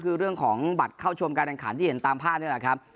คือเรื่องของบัตรเข้าชมการแข่งขันที่เห็นตามภาพนี่แหละครับ